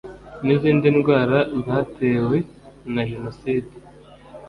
n’izindi ndwara zatewe na jenoside